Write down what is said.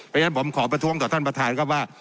เพราะฉะนั้นผมขอประท้วงต่อท่านประธานครับว่า